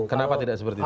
kenapa tidak seperti itu